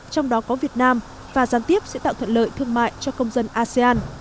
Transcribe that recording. trong đó có việt nam và gián tiếp sẽ tạo thuận lợi thương mại cho công dân asean